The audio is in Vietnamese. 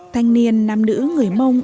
thanh niên nam nữ người mông